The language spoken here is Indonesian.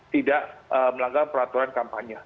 tidak melanggar peraturan kampanye